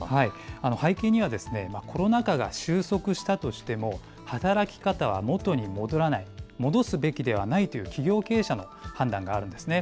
背景には、コロナ禍が収束したとしても働き方は元に戻らない、戻すべきではないという企業経営者の判断があるんですね。